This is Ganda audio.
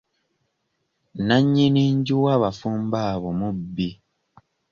Nannyini nju w'abafumbo abo mubbi.